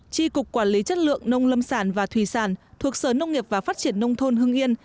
tri cục quản lý chất lượng nông lâm sản và thủy sản thuộc sở nông nghiệp và phát triển nông thôn hưng yên